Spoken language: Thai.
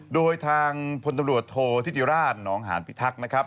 โดยทางพลตำรวจโทษธิติราชหนองหานพิทักษ์นะครับ